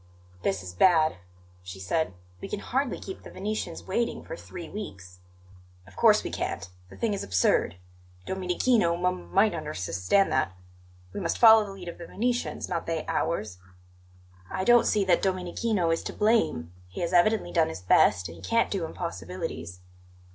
"This is bad," she said. "We can hardly keep the Venetians waiting for three weeks." "Of course we can't; the thing is absurd. Domenichino m might unders s stand that. We must follow the lead of the Venetians, not they ours." "I don't see that Domenichino is to blame; he has evidently done his best, and he can't do impossibilities."